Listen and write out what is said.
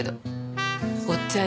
おっちゃん